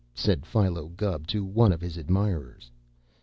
said Philo Gubb to one of his admirers.